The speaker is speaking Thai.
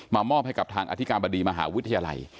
มอบให้กับทางอธิการบดีมหาวิทยาลัย